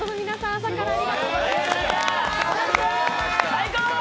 朝からありがとうございました。